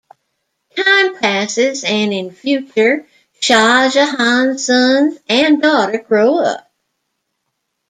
Time passes, and in future Shah Jahan's sons and daughter grow up.